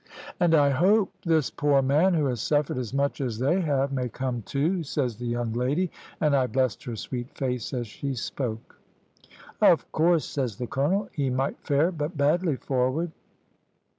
"`And I hope this poor man, who has suffered as much as they have, may come too,' says the young lady, and I blessed her sweet face as she spoke. "`Of course,' says the colonel, `he might fare but badly forward.'